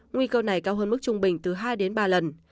nguy cơ này cao hơn mức trung bình từ hai đến ba lần